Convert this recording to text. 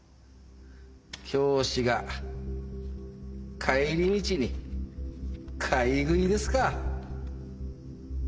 教師が帰り道に買い食いですか。